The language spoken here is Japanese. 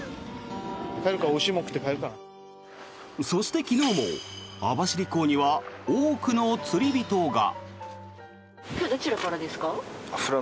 そして昨日も、網走港には多くの釣り人が。